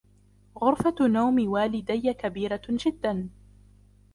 غرفة نوم والدي كبيرة جدا.